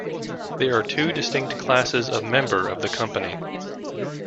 There are two distinct classes of member of the Company.